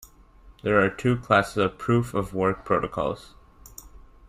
There are two classes of proof-of-work protocols.